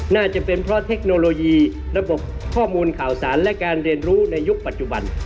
น่าจะเป็นเพราะเทคโนโลยีระบบข้อมูลข่าวสารและการเรียนรู้ในยุคปัจจุบัน